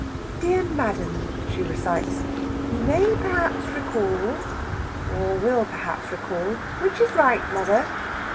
"Dear madam," she recites, "you may perhaps recall or will perhaps recall which is right, mother?"